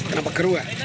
kenapa keruh ya